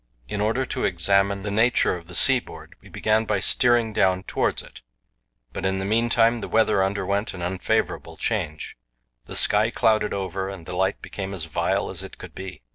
In order to examine the nature of the seaboard, we began by steering down towards it; but in the meantime the weather underwent an unfavourable change. The sky clouded over and the light became as vile as it could be.